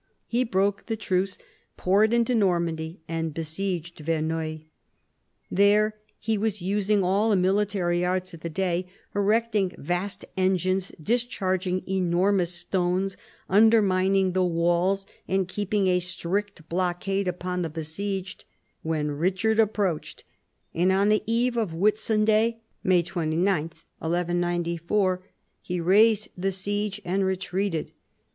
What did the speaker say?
He broke the truce, poured into Normandy, and besieged Verneuil. There he was using all the military arts of the day, erecting vast engines, discharging enormous stones, undermining the walls, and keeping a strict blockade upon the besieged, when Eichard approached, and on the eve of Whitsunday (May 29, 1194) he raised the siege and retreated.